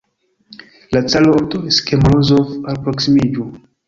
La caro ordonis, ke Morozov alproksimiĝu.